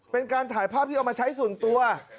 เป็นการถ่ายภาพที่เอามาใช้ส่วนตัว